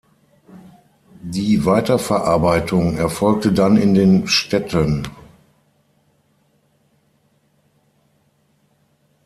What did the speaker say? Die Weiterverarbeitung erfolgte dann in den Städten.